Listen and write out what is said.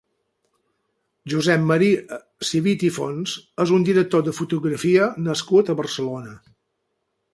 Josep Maria Civit i Fons és un director de fotografia nascut a Barcelona.